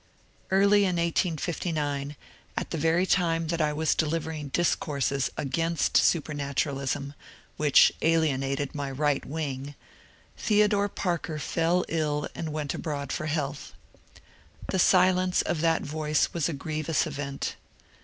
Early in 1859, at the very time that I was delivering dis courses against supematuralism, which alienated my right wing, Theodore Parker fell ill and went abroad for health. The silence of that voice was a grievous event.